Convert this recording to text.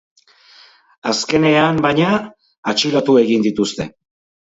Azkenean, baina, atxilotu egin dituzte.